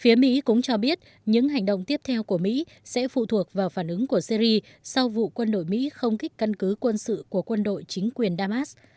phía mỹ cũng cho biết những hành động tiếp theo của mỹ sẽ phụ thuộc vào phản ứng của syri sau vụ quân đội mỹ không thích căn cứ quân sự của quân đội chính quyền damas